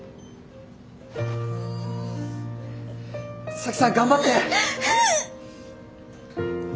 沙樹さん頑張って！